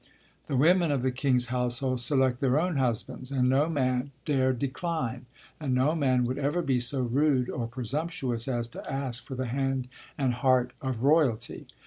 The women of the king's household select their own husbands, and no man dare decline; and no man would ever be so rude or presumptuous as to ask for the hand and heart of royalty.